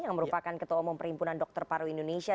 yang merupakan ketua umum perhimpunan dokter paru indonesia